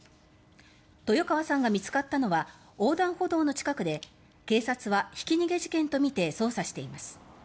豊川さんが見つかったのは横断歩道の近くで警察はひき逃げ事件とみて捜査しています。